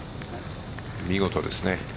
見事ですね。